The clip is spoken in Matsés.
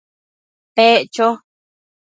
Pec cho